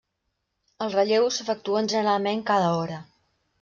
Els relleus s'efectuen generalment cada hora.